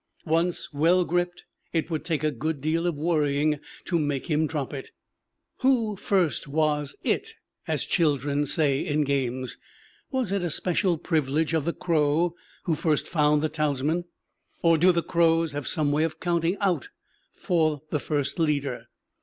Once well gripped, it would take a good deal of worrying to make him drop it. Who first was "it," as children say in games? Was it a special privilege of the crow who first found the talisman, or do the crows have some way of counting out for the first leader?